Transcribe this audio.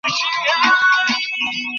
তার মুখ থেকে সবকিছু বের করো।